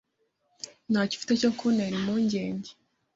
Ntacyo ufite cyo kuntera impungenge.